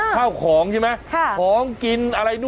ครอบของใช่ไหม